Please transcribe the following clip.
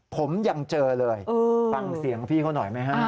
ผมยังเจอเลยฟังเสียงพี่เขาหน่อยไหมฮะ